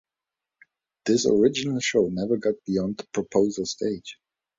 This original show never got beyond the proposal stage.